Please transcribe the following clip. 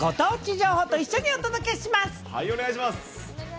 情報と一緒にお願いします。